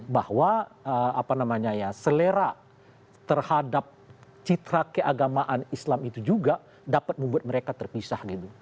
bahwa selera terhadap citra keagamaan islam itu juga dapat membuat mereka terpisah gitu